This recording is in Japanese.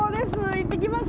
行ってきます。